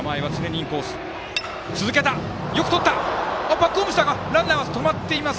バックホームしたがランナーは止まっています。